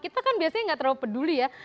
kita kan biasanya nggak terlalu peduli ya